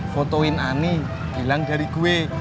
fotoin ani hilang dari gue